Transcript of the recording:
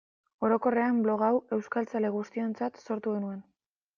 Orokorrean, blog hau euskaltzale guztiontzat sortu genuen.